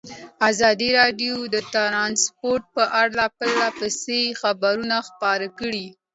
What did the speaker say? ازادي راډیو د ترانسپورټ په اړه پرله پسې خبرونه خپاره کړي.